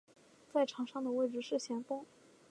在场上的位置是前锋。